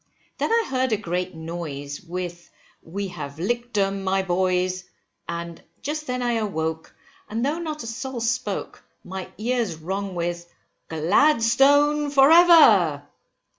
Then I heard a great noise, with, We have lick'd them, my boys, and just then I awoke, and though not a soul spoke, my ears rung with GLADSTONE FOR EVER!